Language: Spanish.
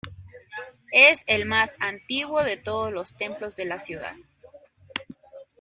Es el más antiguo de todos los templos de la ciudad.